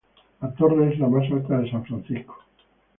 La torre es la más alta de San Francisco.